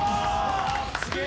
すげえ！